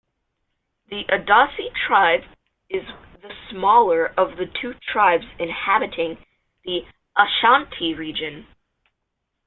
The Adansi tribe is the smaller of the two tribes inhabiting the Ashanti Region.